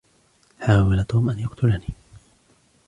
حاول توم أن يقتلني.